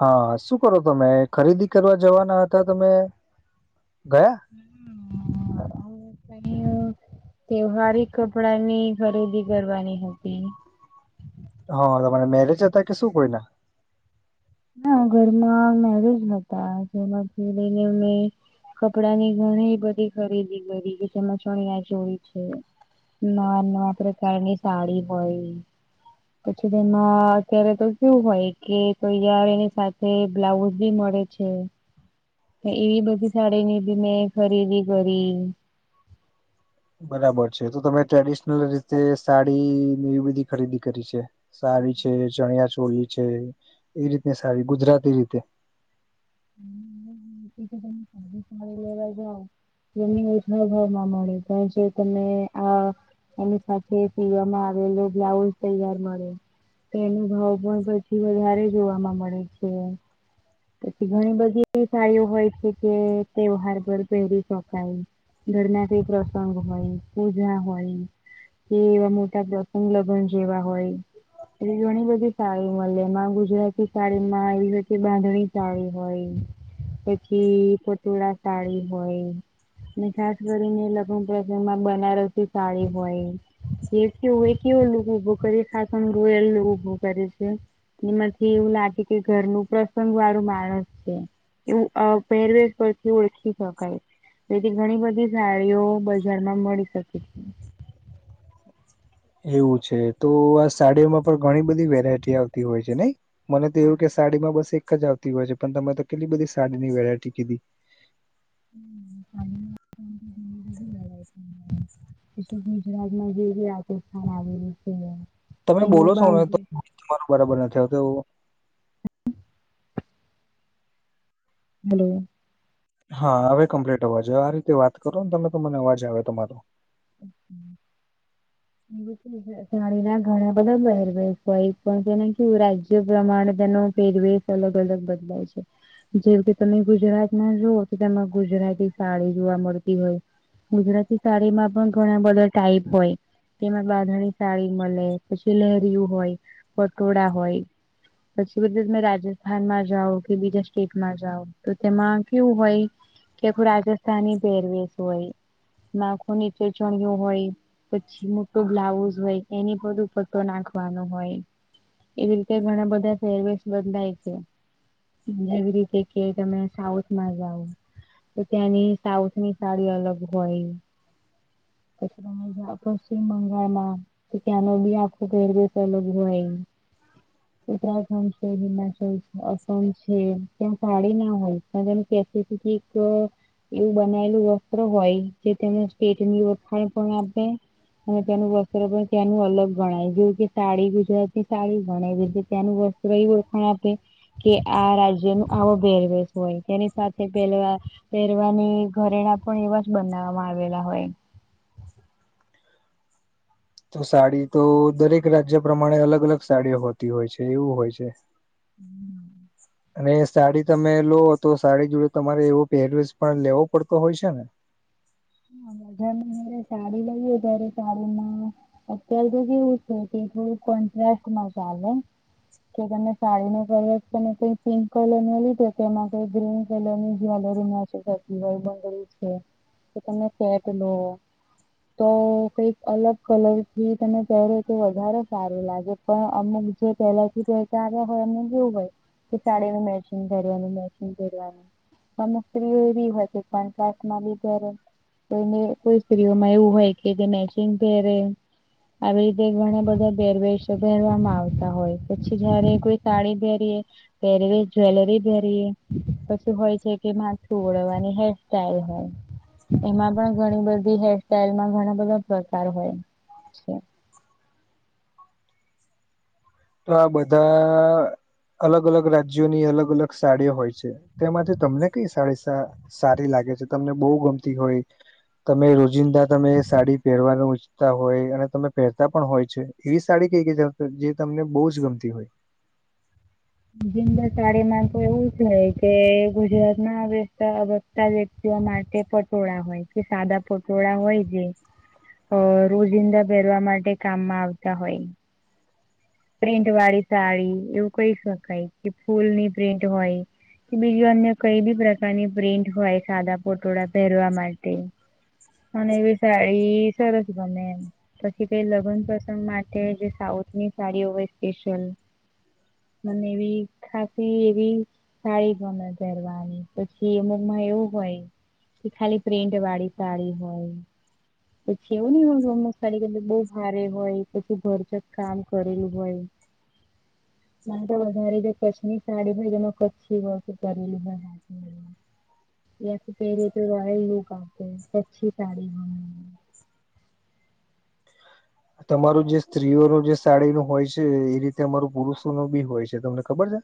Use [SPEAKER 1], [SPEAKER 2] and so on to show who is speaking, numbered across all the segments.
[SPEAKER 1] હા શું કરો તમે ખરીદી કરવા જવાના હતા તમે, ગયા?
[SPEAKER 2] [unintelligible] તહેવારિ કપડા ની ખરીદી કરવાની હતી.
[SPEAKER 1] હા [unintelligible] મેરેજ હતા કે શું કોઈ ના?
[SPEAKER 2] ના. ઘરમાં મેરેજ હતા. જેમાંથી લઈને અમે કપડા ની ઘણી બધી ખરીદી કરી. કે જેમાં ચણીયા ચોલી છે, નવા નવા પ્રકારની સાડી હોય. પછી તેમાં અત્યારે તો કેવુ હોય કે કોઈ તાર એની સાથે બ્લાઉઝ બી મળે છે. એવી બધી સાડીની બી મેં ખરીદી કરી.
[SPEAKER 1] બરાબર છે તો તમે ટ્રેડિશનલ રીતે સાડી એવી બધી ખરીદી કરી છે. સારી છે ચણિયા ચોળ છે, એ રીતને સારી ગુજરાતી રીતે.
[SPEAKER 2] [unintelligible] એને ઉજવ ભર માં મળી પણ જે તમે આ એની સાથે શિવમાં આવેલો બ્લાઉઝ તૈયાર મળે. તેનો ભાવ પણ પછી વધારે જોવામાં મળે છે. પછી ઘણી બધી એવી [unintelligible] ઓ હોય છે કે તહેવાર પર પહેરી. [inaudible] ઘર ના કઈ પ્રસંગ હોય, પૂજા હોય. એ એવા મોટા પ્રસંગ લગ્ન જેવા હોય. એટલે ઘણી બધી સાડી મળે. એમાં ગુજરાતી સાડી માં એ બધી બાંધણી સાડી હોય પછી [unintelligible] સાડી હોય. ખાસ કરીને લગ્ન પ્રસંગમાં બનારસી સાળી હોય. જે કેવુંય કેવો લોકો ઉભો કરી ખાસમ રોયલ ઉભું કરે છે. નીમાંથી એવું લાગે કે ઘર નું પ્રસંગ. [inaudible] માણસ છે એવું પહેરવેશ પરથી ઓળખી શકાય. તેથી ઘણી બધી સાડીઓ બજાર માં મળી શકે છે.
[SPEAKER 1] એવું છે. તો આ સાડીઓમાં પણ ઘણી બધી વેરાયટી આવતી હોય છે. હે ને? મને તો એવું કે સાડીમાં બસ એક જ આવતી હોય છે. પણ તમે તો કેટલી બધી સાડીની વેરાયટી કીધી.
[SPEAKER 2] [inaudible] [unintelligible] ગુજરાતમાં જેવી રાજસ્થાન આવેલું છે.
[SPEAKER 1] તમે બોલો
[SPEAKER 2] એમાં
[SPEAKER 1] છો ને તો
[SPEAKER 2] બાંધણી
[SPEAKER 1] તમારું બરાબર નથી આવતો એવું,
[SPEAKER 2] [unintelligible]
[SPEAKER 1] હા હવે કમ્પ્લીટ અવાજ આયો. આ રીતે વાત કરો ને તમે તો મને અવાજ આવે તમારો.
[SPEAKER 2] [inaudible] શ ના ઘણા બધા પહેરવેશ હોય પણ તેને કેું રાજ્ય પ્રમાણે તેનો પેરવેશ અલગ અલગ બદલાય છે. જેવ કે તમે ગુજરાતમાં જોઓ તો તેમાં ગુજરાતી સાડી જોવા મળતી હોય. ગુજરાતી સાડી માં પણ ઘણા બધા ટાઈપ હોય. તેમાં બાંધણી સાળ મળે. પછી લહેરિયું હોય, પટોળા હોય. પછી બધી તમે રાજસ્થાનમાં જાઓ, કે બીજા સ્ટેટમાં જાઓ. તો તેમાં કેવું હોય કે આખું રાજસ્થાની પેરવેશ હોય. ના ખ ચેચણઓ હોય. પછી મોટું બ્લાઉઝ હોય એની બધું પતો નાખવાનો હોય, એ રીતે ઘણા બધા ફેરવેઝ બંધય છે. એવી રીતે કે તમે સાઉથમાં જાવ. તો ત્યાંની સાઉથ ની સાડી અલગ હોય. પછી પશ્ચિમ બંગાળમાં તો ક્યાનો ભી આપ પેર બેલોગ હોય. ઉત્તરાખંડ છે, હિમાચલ છે, અસમ છે, ત્યાં સાાડી ના હોય. પસફિક એક એવું બનાયેલું વસ્ત્ર હોય. જેને તમ ખણ પણ આપે. અને તેનું વસ્ત્ર પણ ત્યાંનું અલગ ગણાય. જેવું કે સાડી ગુજરાતીની સાડી ગણાય રીતે ત્યાંનું વસ્ત્ર ઈવ ખ આપે કે આ રાજ્ય ન આવો ભેરવેશ હોય તેની સાથે પહેરવા પહેરવાની ઘરેણા પણ એવા જ બનાવવામાં આવેલા હોય
[SPEAKER 1] તો સાડી તો દરેક રાજ્ય પ્રમાણે અલગ અલગ સાડીઓ હોતી હોય છે એવું હોય છે
[SPEAKER 2] હમ
[SPEAKER 1] અને સાડી તમે લો તો સાડી જોડે તમારે એવો પહેરવેસ પણ લેવો પડતો હોય છે ને
[SPEAKER 2] હ વધા ઘરે સાડી લઈએ વધારે સાડીમાં અત્યારે તો કેવું છે કે થું કોન્ટ્રાાસ્ટ માં ચાલે. કે તમે સાડી નો કલર તમે કઈ પિંક કલર નો લીધો કે એમાં કઈ ગ્રીન કલર ની જ્વેલરી ન બંધ છે. કે તમે સેટ લો. તો કઈક અલગ કલરથી તને પહેરો તો વધારે સારું લાગે. પણ અમુક જે પહેલાથી પસા આવ્યા હોય એમને કેવું હોય કે સાાડીમાં મેશિંગ કરવાનું મેશિંગ કરવાનું સમ્રી એવી હોશે પણ કાસમાં લીધારે કો કોઈ સ્ત્રીઓમાં એવું હોય કે જે મેચિંગ પેરે આવી રીતે ઘણા બધાેરવેર પહેરવામાં આવતા હોય પછી જયારે કોઈ સાડી પહેરીએ પહેરીવી જ્વેલરી પહેરી પછી હોય છે કે માથું ઓળવવાની હેરસ્ટાઈલ હોય એમાં પણ ઘણી બધી હેરસ્ટાઈલમાં ઘણા બધા પ્રકાર હોય છે
[SPEAKER 1] તો આ બધા અલગ અલગ રાજ્યોની અલગ અલગ સાડીઓ હોય છે તેમાંથી તમને કઈ સાડી સારી લાગે છે તમને બહુ ગમતી હોય તમે રોજિંદા તમે સાડી પહેરવાનું હોય અને તમે પહેરતા પણ હોય છે એવી સાડી કઈ કે જે તમને બહુ જ ગમતી હોય
[SPEAKER 2] જબાાળીમાં તો એવું છે કે ગુજરાતમાં બેસ્તા વ્યક્તિઓ માટે પટોળા હોય કે સાદા પટોળા હોય જે અ રોજિંદા પહેરવા માટે કામમાં આવતા હોય પ્રિન્ટ વાળી સાડી એવું કહી શકાય કે ફૂલ ની પ્રિન્ટ હોય બીજું અન્ય કઈ બી પ્રકારની પ્રિન્ટ હોય સાદા પોટોળા પહેરવા માટે અનેને એવી શાળી સરસી બમેનેમ પછી કઈ લગ્ન પ્રસંગ માટે જે સાઉથની સાડીઓ હોય સ્પેશિયલ મને એવી ખાતે એવી સાાળી પણન પરવાની પછી અમુકમાં એવું હોય કે ખાલી પ્રિન્ટ વાળી તળી હોય પછી એવું નહી હોય રમત ખાડી કેર બહુ ભારે હોય પછી ભરજક કામ કરેલું હોય મારે તો વધ જે કચ્છ ની સાડી હોય તેમાં કચ્છી હો કરેલી બ હમ યાસ પહેરે તો રોયલ લુક આવતો હ અચ્છી સાડી બ
[SPEAKER 1] તમારું જે સ્ત્રીઓનું જે સાડી નું હોય છે એ રીતે અમારું પુરુષો ન બી હોય છે તમને ખબર છે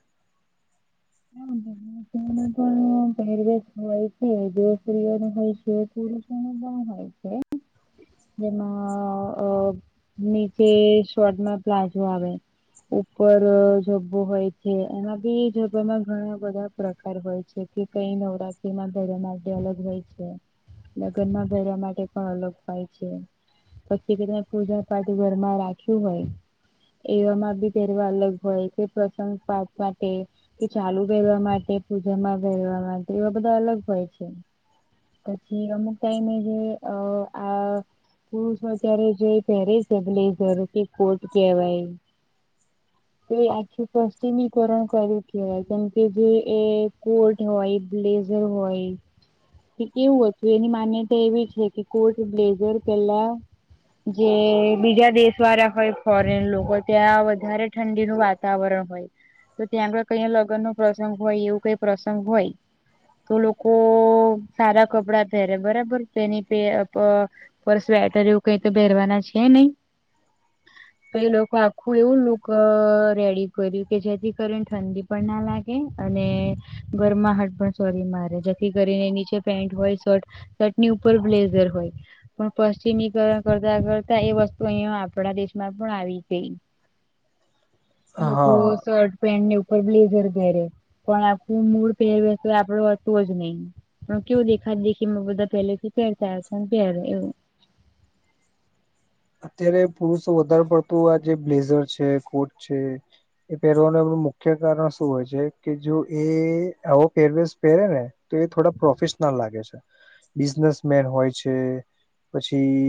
[SPEAKER 2] ના પહેરેશ હોય છે દિવ હોય છે પુષ હોય છે જેમાં નીચે શર્ટમાં પ્લાઝો આવે ઉપર જોવું હોય છે એમાં બી માં ઘણા બધા પ્રકાર હોય છે કે કઈ નવરાત્રીમાં ભરણ અલગ હોય છે લગન ના ભવા માટે પણ અલગ થાય છે પછી કેં પૂજા પાઠ ઘરમાં રાખ્યું હોય એવામાં બી પહેરવા અલગ હોય કે પ્રસંગ પાઠ માટે કે ચાલુ પહેરવા માટે પૂજામાં પહેરવા માટે એવા બધા અલગ હોય છે પછી અમુક ટાઈમે જે અ આ પુરુષો અત્યારે જોઈ પેરે છેલે કે કોટ કેવાય ત આખી પશ્િમીકરણ કરી કેવાય કેમ કે જે એ કોટ હોય બ્લેઝર હોય કે કેવું હતું એની માન્યતા એવી છે કે કોટ બ્લેઝર પેલા જે બીજા દેશ વાળા હોય ફોરેન લોકો ત્યાં વધારે ઠંડીનું વાત વાતાવરણ હોય તો ત્યાં આગળ કઈ લગ્ન નો પ્રસંગ હોય એવું કઈ પ્રસંગ હોય. તો લોકો સારા કપડાં પહેરે બરાબર તેની પે પર સ્વેટર એવું કઈ તો પહેરવાના છે નહીં તો એ લોકો આખું એવું લક રેડી કર્યું કે જેથી કરી ઠંડી પણ ના લાગે અને ઘરમા હાટૅ પેન્ટ સોરી મારે જેથી કરીને નીચે પેન્ટ હોય શર્ટ. સટૅ ની ઉપર બ્લેઝર હોય. પણ પશ્ચિમીકરણ કરતા કરતા એ વસ્તુ અહીં આપણા દેશમાં પણ આવી ગઈ. એ લોકો
[SPEAKER 1] હા
[SPEAKER 2] શર્ટ પેન્ટ ની ઉપ. પડલી ઘેર પેરે પણ આપણું મૂળ પહેરવે તો આપડો હતું જ નહી. હું કેવું દેખા દેખી બધા પેલેથી પેરતા હશે ને પેરે એવું.
[SPEAKER 1] અત્યારે પુરુષો વધારે પડતું આ જે બ્લેઝર છે કોટ છે. એ પહેરવાનું એમનું મુખ્ય કારણ શું હોય છે કે જો એ આવો પહેરવેશ પહેરે ને તો એ થોડા પ્રોફેશનલ લાગે છે. બિઝનેસ મેન હોય છે પછી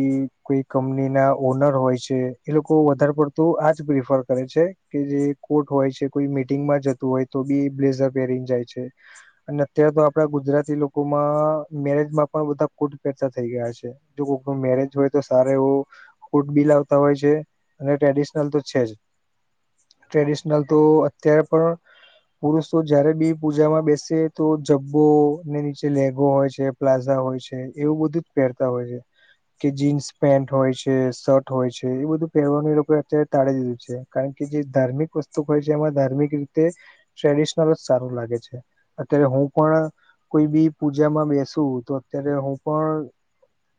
[SPEAKER 1] કોઈ કંમની ના. ઓનર હોય છે એ લોકો વધારે પડતું આજ પ્રિફર કરે છે કે જે. કોર્ટ હોય છે કોઈ મિટિંગમાં જતું હોય તો બી બ્લેઝર પહેરીને જાય છે. અને અત્યારે તો આપડા ગુજરાતી લોકોમાં મેરેજમાં પણ બધા કોૂટ પેરતા થઈ ગયા છે. જો કોઈ નો મેરેજ હોય તો સારે એવું. ફૂટ બિ લાવતા હોય છે અને ટ્રેડિશનલ તો છે જ. ટ્રેડિશનલ તો અત્યારે પણ પુરુષ તો જયારે બી પૂજામાં બેસે તો જબ્બો ને નીચે લેગો હોય છે. પ્લાઝા હોય છે એવું બધું જ પહેરતા હોય છે કે જીન્સ પેન્ટ હોય છે. કે શર્ટ હોય છે એ બધું પહેરવા લોકો અત્યારે તાળી દીધું છે કારણ કે જે ધાર્મિક વસ્તુ. તો ભાઇ જેમાં ધાર્મિક રીતે ટ્રેડિશનલ જ સારું લાગે છે અત્યારે હું પણ કોઈ બી પૂજામાં બેસુ તો અત્યારે હું પણ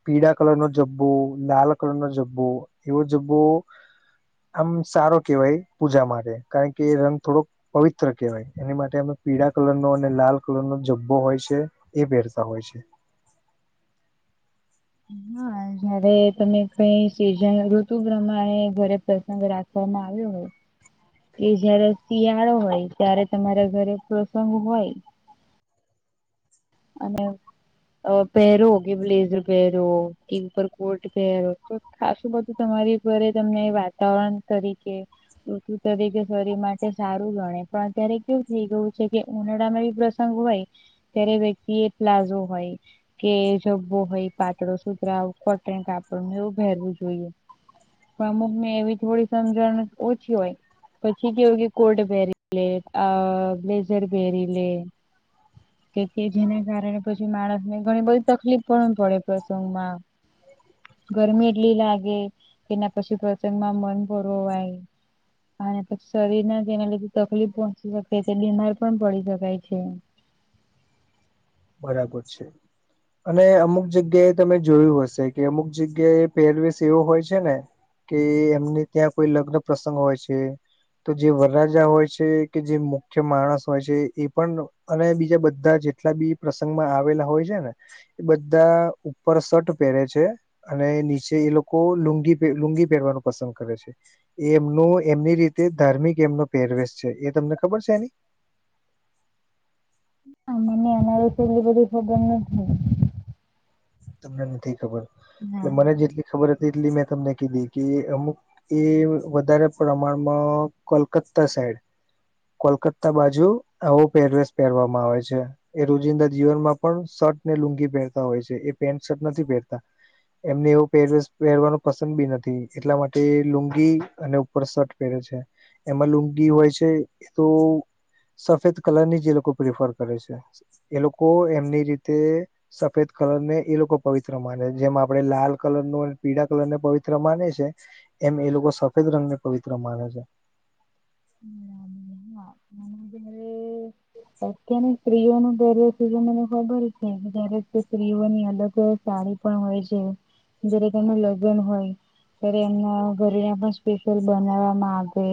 [SPEAKER 1] પીળા કલર નો જબ્બો લાલ કલર નો જબ્બો એવો જબ્બો. આમ સારો કેહેવાય પૂજા માટે કારણ કે એ રંગ થોડોક પવિત્ર કહેવાય એની માટે. એમાં પીળા કલરનો અને લાલ કલરનો જબ્બો હોય છે એ પહેરતા હોય છે.
[SPEAKER 2] હા. જયારે તમે કઈ સિઝન ઋતુ પ્રમાણે ઘરે પ્રસંગ રાખવામાં આવ્યો હોય. એ જયારે શિયાળો હોય ત્યારે તમારા ઘરે પ્રસંગ હોય અને અ પહેરો કે બ્લેઝર પહેરો કે ઉપર કોટ પહેરો. ખાસું બધું તમારી ઘરે તમને વાતાવરણ તરીકે ઋતુ તરીકે શરીર માટે સારું ગણે પણ અત્યારે કેવું થઈ ગયું છે કે ઉનાળામાં ઇ વસ્તુ. ંગ હોય ત્યારે વ્યક્તિ એ પ્લાઝો હોય. કે જબ્બો હોય પાતળો સુતરાઉ કોટન કાપડ એવું પહેરવું જોઈએ. પણ‌ અમુક ને એવી થોડી સમજણ ઓછી હોય. પછી કેવું કે કોટ પહેરી લે આ બ્લેઝર પહેરી લે. કે કે જેના કારણે પછી માણસને ઘણી બધી તકલીફ પણ પડે પ્રસંગમાં ગરમી એટલી લાગે એના પછી પ્રસંગ માં મન પુરવાય. અને પછી શરીર ના જેના લીધે તકલીફ પહોંચી શકે છે બીમાર પણ પડી શકાય છે.
[SPEAKER 1] બરાબર છે.
[SPEAKER 2] [unintelligible]
[SPEAKER 1] અને અમુક જગ્યાએ તમે જોયું હશે કે અમુક જગ્યાએ એ પેરવેશ એવો હોય છે ને. કે એમને ત્યાં કોઈ લગ્ન પ્રસંગ હોય છે. તો જે વરરાજા હોય છે કે જે મુખ્ય માણસ હોય છે એ પણ અને બીજા બધા જેટલા બી પ્રસંગમાં આવેલા હોય છે ને એ બધા ઉપર શર્ટ પહેરે છે. અને નીચે એ લોકો લુંગી, લુંગી પહેરવાનું પસંદ કરે છે. એ એમનું એમની રીતે ધાર્મિક એમનો પેરવેશ છે. એ તમને ખબર છે એની?
[SPEAKER 2] હ મને અમારે છે એલી બધી ખબર નથી.
[SPEAKER 1] તમને નથી ખબર
[SPEAKER 2] હા
[SPEAKER 1] મને જેટલી ખબર હતી એટલી મેં તમને કીધી કે અમુક એ વધારે પ્રમાણમાં કોલકતા સાઈડ કોલકતા બાજુ આવો પેરવેસ પહેરવામાં આવે છે. એ રોજિંદા જીવનમાં પણ શર્ટ ને લુંગી પહેરતા હોય છે એ પેન્ટ શર્ટ નથી પહેરતા. એમને એવો પહેર પહેરવાનો પસંદ બી નથી એટલા માટે લુંગી અને ઉપર શર્ટ પહેરે છે. એમાં લુંગી હોય છે એ તો સફેદ કલર ની જ એ લોકો પ્રિફર કરે છે. એ લોકો એમની રીતે સફેદ કલર ને એ લોકો પવિત્ર માને છે. જેમ આપડે લાલ કલરનું, અને પીળા કલર ને પવિત્ર માને છે. એમ એ લોકો સફેદ રંગને પવિત્ર માને છે.
[SPEAKER 2] [inaudible] અત્યારનું સ્ત્રીઓ નું [unintelligible] મને ખબર છે. દરેક સ્ત્રીઓની અલગ અલગ સાડી પણ હોય છે. જ્યારે તેમનું લગન હોય. અ્યારે એમના ઘરેને પણ સ્પેશિયલ બનાવવા માંગે.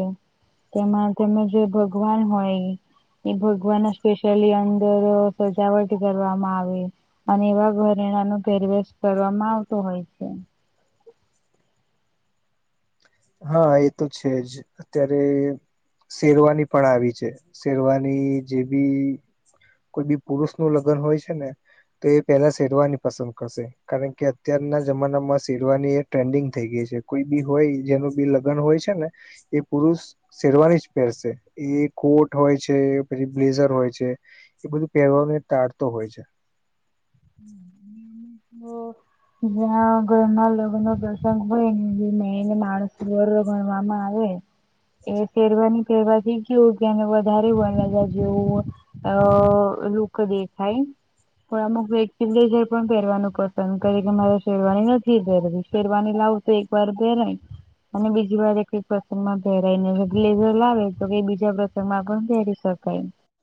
[SPEAKER 2] તેમાં તેમને જે ભગવાન હોય, એ ભ ભગવાના સ્પેશયલી અંદર સજાવટ કરવામાં આવે. અને એવા ઘરેણા નો ફેરવેશ કરવામાં આવતો હોય છે.
[SPEAKER 1] હા એ તો છે જ અત્યારે શેરવાની પણ આવી છે શેરવાની જે બી કોઈ બી પુરુષ નું લગ્ન હોય છે ને, તો એ પેલા શેરવાની પસંદ કરશે. કારણ કે અત્યારના જમાના માં સેરવાની એ ટ્રેન્ડિંગ થઈ ગઈ છે કોઈ બી હોય. જેનું બી લગ્ન હોય છે ને, એ પુરુષ શેરવાની જ પહેરસે એ કોટ હોય છે પછી બ્લેઝર હોય છે. એ બધું પહેરવાને તાળતો હોય છે.
[SPEAKER 2] હમ હ. જ્યાં ઘરના લગ્નો પ્રસંગ હોય ને જે મેને માણસ વર્વ ગણવામાં આવે. એ શેરવાની પેરવાથી કેને વધારે વણલાજા જેવું અ લોકો દેખાય. પણ અમુક વેક્ પણ પેરવાનું પસંદ કે મારે શેરવાની નથી દે શેરવાની લાવ તો એક વાર પેરાય. અને બીજી વાજ કઈક પ્રસંગ માં પહેરાય ને બ્લેઝર લાવે તો કઈ બીજા પ્રસંગમાં પણ પહેરી શકાય.